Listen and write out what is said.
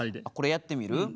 あっこれやってみる？